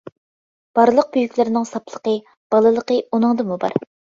بارلىق بۈيۈكلەرنىڭ ساپلىقى، بالىلىقى ئۇنىڭدىمۇ بار.